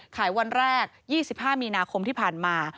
วันแรก๒๕มีนาคมที่ผ่านมา